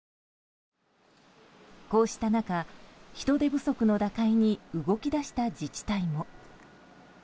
こうした中、人手不足の打開に動き出した自治体も。